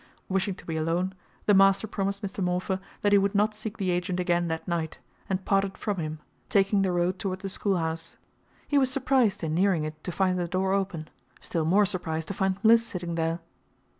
Wishing to be alone, the master promised Mr. Morpher that he would not seek the agent again that night, and parted from him, taking the road toward the schoolhouse. He was surprised in nearing it to find the door open still more surprised to find Mliss sitting there.